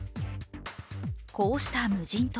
こうした無人島。